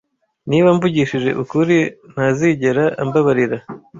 Niba mvugishije ukuri, ntazigera ambabarira.